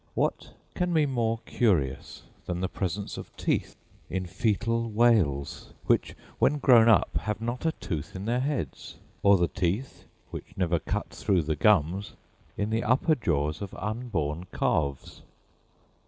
What can be more curious than the presence of teeth in foetal whales, which when grown up have not a tooth in their heads; or the teeth, which never cut through the gums, in the upper jaws of unborn calves?